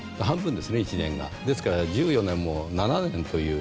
ですから１４年でも７年という。